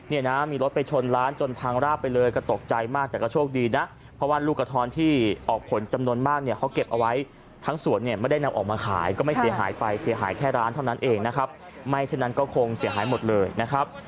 นี่นะมีรถไปชนร้านจนพังราบไปเลยก็ตกใจมากแต่ก็โชคดีนะ